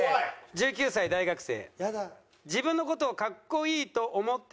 １９歳大学生。